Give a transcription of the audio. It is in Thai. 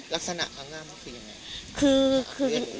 ลักษณะพระงามันคือยังไง